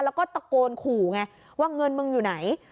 แล้วก็ตะโกนขู่ไงว่าเงินมึงอยู่ไหน